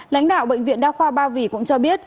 lãnh đạo bệnh viện đa khoa ba vì cũng cho biết